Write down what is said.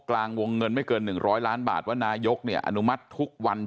กลางวงเงินไม่เกิน๑๐๐ล้านบาทว่านายกเนี่ยอนุมัติทุกวัน